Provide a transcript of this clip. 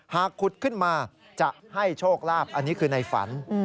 หากขุดขึ้นมาจะให้โชคลาภอันนี้คือในฝัน